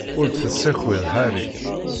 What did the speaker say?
Ur d-tessakiḍ Harry.